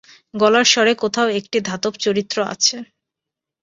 গলার স্বরে কোথাও একটি ধাতব চরিত্র আছে।